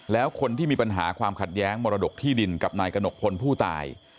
แล้วคนที่มีปัญหาความขัดแย้งมรดกที่ดินกับนายกระหนกพลผู้ตาย